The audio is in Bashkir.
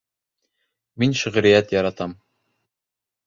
Мин шиғриәт яратам